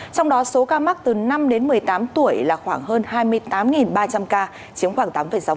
trong đó số ca mắc từ năm đến một mươi tám tuổi là khoảng hơn hai mươi tám ba trăm linh ca chiếm khoảng tám sáu